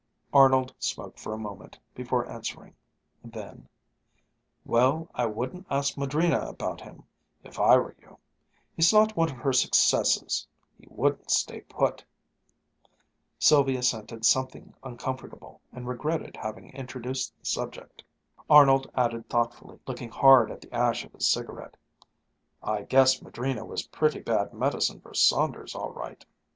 Arnold smoked for a moment before answering. Then, "Well, I wouldn't ask Madrina about him, if I were you. He's not one of her successes. He wouldn't stay put." Sylvia scented something uncomfortable, and regretted having introduced the subject. Arnold added thoughtfully, looking hard at the ash of his cigarette, "I guess Madrina was pretty bad medicine for Saunders, all right."